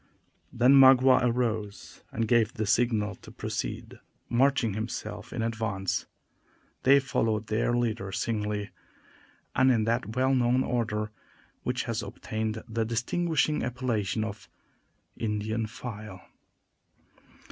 Then Magua arose and gave the signal to proceed, marching himself in advance. They followed their leader singly, and in that well known order which has obtained the distinguishing appellation of "Indian file."